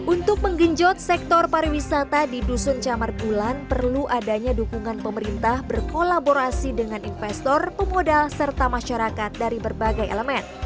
untuk menggenjot sektor pariwisata di dusun camar bulan perlu adanya dukungan pemerintah berkolaborasi dengan investor pemodal serta masyarakat dari berbagai elemen